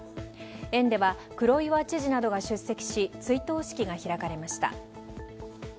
園では黒岩知事などが出席し追悼式が開かれました。